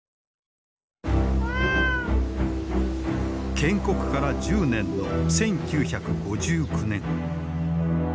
建国から１０年の１９５９年。